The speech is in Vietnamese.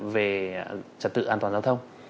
về trật tự an toàn giao thông